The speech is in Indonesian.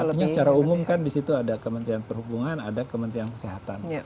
artinya secara umum kan di situ ada kementerian perhubungan ada kementerian kesehatan